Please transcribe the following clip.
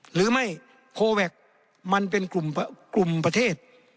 หรือไม่โคแวคมันเป็นกลุ่มประเทศ